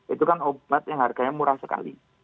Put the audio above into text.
itu kan obat yang harganya murah sekali